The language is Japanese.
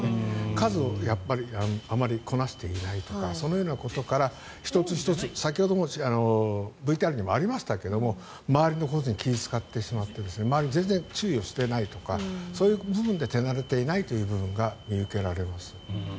数をあまりこなしていないとかそのようなことから、１つ１つ先ほどもＶＴＲにありましたけど周りのことに気を使ってしまって周りに全然注意をしていないとかそういう部分で手慣れていないという部分が見受けられます。